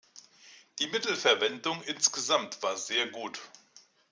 Die Mittelverwendung insgesamt war sehr gut.